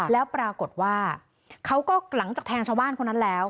แล้วปรากฏว่าเขาก็หลังจากแทงชาวบ้านคนนั้นแล้ว